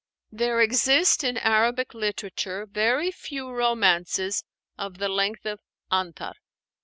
There exist in Arabic literature very few romances of the length of 'Antar.'